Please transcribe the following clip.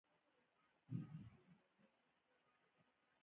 زمونږ مزل د مزار په لور و.